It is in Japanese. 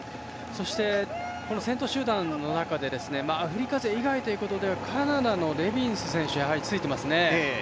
先頭集団の中でアフリカ勢以外ということではカナダのレビンズ選手やはりついていますね。